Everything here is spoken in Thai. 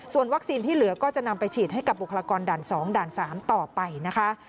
ส่วนวัคซีนที่เหลือก็จะนำไปฉีดให้กับบุคลากรด่าน๒ด่าน๓ต่อไปนะคะ